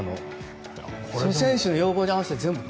選手の要望に合わせて。